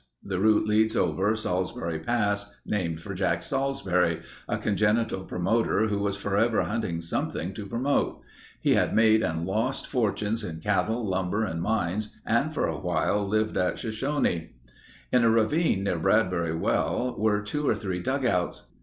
The route leads over Salsbury Pass, named for Jack Salsbury—a congenital promoter who was forever hunting something to promote. He had made and lost fortunes in cattle, lumber, and mines and for a while lived at Shoshone. In a ravine near Bradbury Well were two or three dugouts.